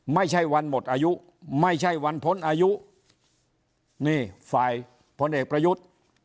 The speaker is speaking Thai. ไม่ใช่วันหมดอายุไม่ใช่วันพ้นอายุนี่ฝ่ายพลเอกประยุทธ์